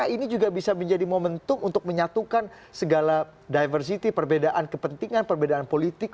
ini juga bisa menjadi momentum untuk menyatukan segala diversity perbedaan kepentingan perbedaan politik